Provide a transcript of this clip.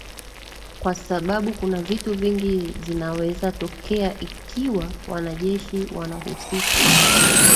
kwa sababu kuna vitu vingi zinawezatokea ikiwa wanajeshi wanahusishwa